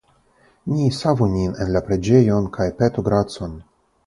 Ni savu nin en la preĝejon, kaj petu gracon!